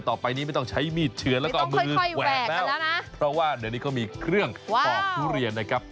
ต่อไปนี้ไม่ต้องใช้มีดเฉือนแล้วก็เอามือแหวกแล้วเพราะว่าเดี๋ยวนี้เขามีเครื่องปอกทุเรียนนะครับ